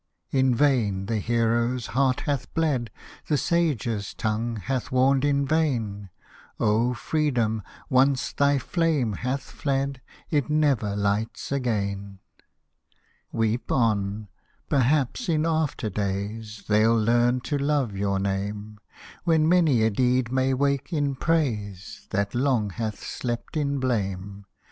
In vain the hero's heart hath bled ; The sage's tongue hath warned in vain ; O Freedom I once thy flame hath fled, It never lights again. Hosted by Google IRISH MELODIES Weep on — perhaps in after days, They'll learn to love your name ; When many a deed may wake in praise That long hath slept in blame.